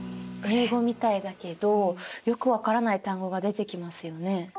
英語みたいだけどよく分からない単語が出てきますよね。